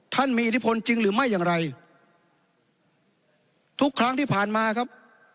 ท่านมีอิทธิพลจริงหรือไม่อย่างไรทุกครั้งที่ผ่านมาครับ